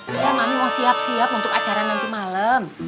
kan mami mau siap siap untuk acara nanti malem